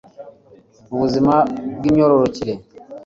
ubuzima bw imyororokere